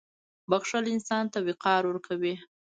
• بښل انسان ته وقار ورکوي.